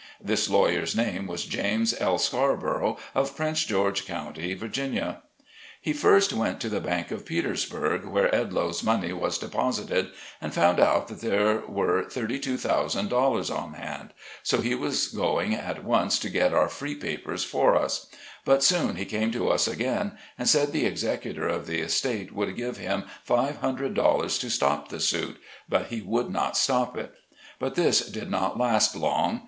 This lawyer's name was James L. Scarborough, of Prince George County, Va. He first went to the bank of Petersburg, where Edloe's money was deposited, and found out that there were thirty two thousand dollars on hand ; so he was going at once to get our free papers for us ; but soon he came to us again, and said the executor of the estate would give him five hundred dollars to stop the suit — but he would not stop it. But this did not last long.